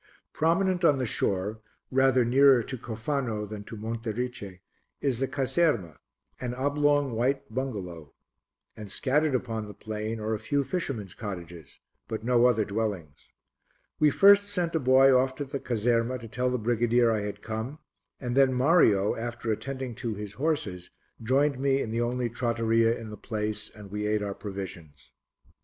Prominent on the shore, rather nearer to Cofano than to Monte Erice, is the caserma, an oblong white bungalow, and scattered upon the plain are a few fishermen's cottages, but no other dwellings. We first sent a boy off to the caserma to tell the brigadier I had come, and then Mario, after attending to his horses, joined me in the only trattoria in the place and we ate our provisions.